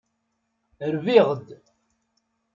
Rbiɣ-d.